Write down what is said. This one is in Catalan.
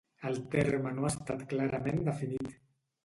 El terme no ha estat clarament definit.